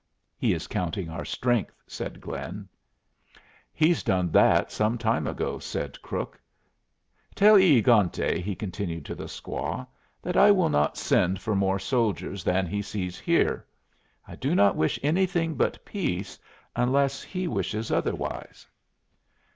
"He is counting our strength," said Glynn. "He's done that some time ago," said Crook. "Tell E egante," he continued to the squaw, "that I will not send for more soldiers than he sees here. I do not wish anything but peace unless he wishes otherwise."